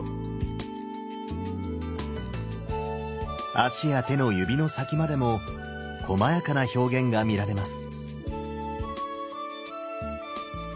足や手の指の先までもこまやかな表現が見られます。